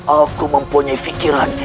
aku mempunyai fikiran